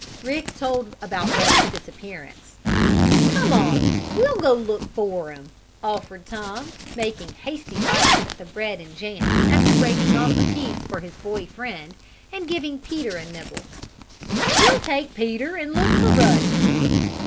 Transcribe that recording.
Rick told about Ruddy's disappearance. "Come on! We'll go and look for him!" offered Tom, making hasty bites at the bread and jam, after breaking off a piece for his boy friend, and giving Peter a nibble. "We'll take Peter and look for Ruddy."